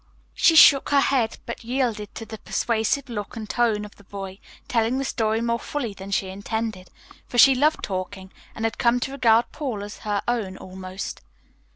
She shook her head, but yielded to the persuasive look and tone of the boy, telling the story more fully than she intended, for she loved talking and had come to regard Paul as her own, almost.